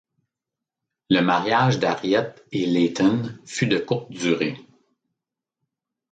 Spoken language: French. Le mariage d'Harriet et Layton fut de courte durée.